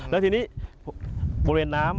แล้วทีนี้บริเวณน้ำ